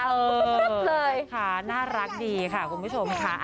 เลยค่ะน่ารักดีค่ะคุณผู้ชมค่ะ